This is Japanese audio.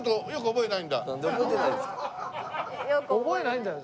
覚えないんだよ。